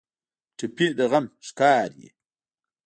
ټپي د غم ښکار وي.